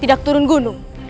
tidak turun gunung